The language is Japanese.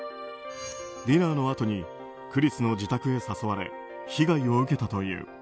ディナーのあとにクリスの自宅へ誘われ被害を受けたという。